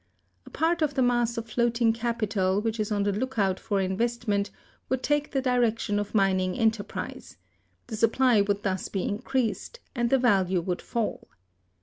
A part of the mass of floating capital which is on the lookout for investment would take the direction of mining enterprise; the supply would thus be increased, and the value would fall.